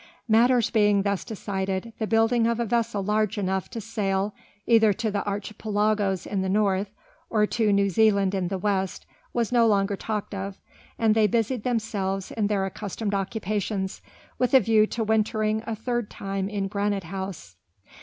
Matters being thus decided, the building of a vessel large enough to sail either to the Archipelagos in the north, or to New Zealand in the west, was no longer talked of, and they busied themselves in their accustomed occupations, with a view to wintering a third time in Granite House.